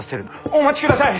お待ちください！